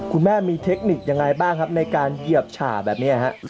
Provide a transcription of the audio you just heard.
คุณแม่มีเทคนิคยังไงบ้างครับในการเหยียบฉ่าแบบนี้ครับ